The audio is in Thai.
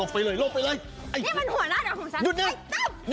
ลบไปเลยลบไปเลย